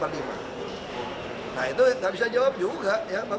nah itu nggak bisa jawab juga